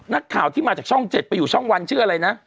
นักข่าวที่มาจากช่อง๗ไปอยู่ช่องวันชื่ออะไรนะ